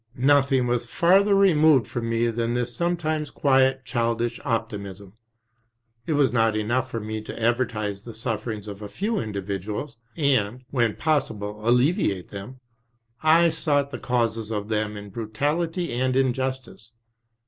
Nothing was farther removed from me than this sometimes quite childish optimism. It was not enough for me to advertise the sufferings of a few individuals and, when possible, alleviate them ; I sought the causes of them in brutality and injustice.